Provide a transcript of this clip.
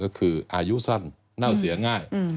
ก็คืออายุสั้นเน่าเสียง่าย